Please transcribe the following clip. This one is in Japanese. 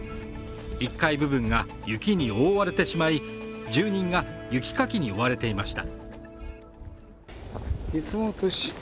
１階部分が雪に覆われてしまい、住人が雪かきに追われていました。